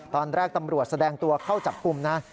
ตอนแรกตำรวจแสดงตัวเข้าจับกลุ่มนะ